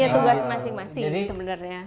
ya tugas masing masing sebenarnya